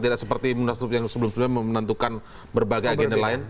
tidak seperti munaslup yang sebelum sebelumnya menentukan berbagai agenda lain